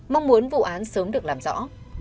mong muốn vụ án sớm được làm rõ